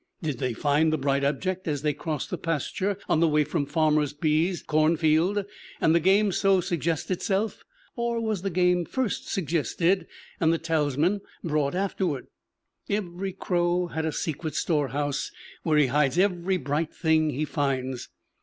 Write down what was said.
Did they find the bright object as they crossed the pasture on the way from Farmer B's corn field, and the game so suggest itself? Or was the game first suggested, and the talisman brought afterwards? Every crow has a secret storehouse, where he hides every bright thing he finds.